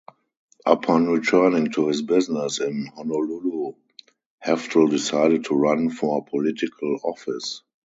Upon returning to his business in Honolulu, Heftel decided to run for political office.